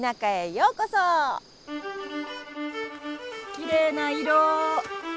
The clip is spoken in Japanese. きれいな色！